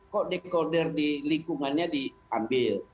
kok dekoder di lingkungannya diambil